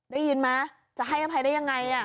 ได้ยินไหมจะให้อภัยได้ยังไง